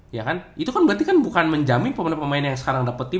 iya kan itu kan berarti bukan menjamin pemain pemain yang sekarang dapet tim